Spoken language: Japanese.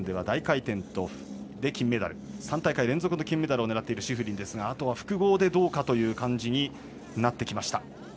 ３大会連続で金メダルを狙っているシフリンですがあとは複合でどうかという感じになってきました。